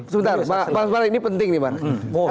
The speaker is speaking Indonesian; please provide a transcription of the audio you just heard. sebentar ini penting nih bang